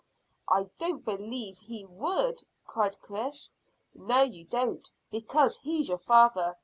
"I don't believe he would," cried Chris. "No, you don't, because he's your father.